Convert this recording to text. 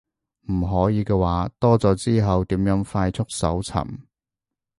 唔可以嘅話，多咗之後點樣快速搜尋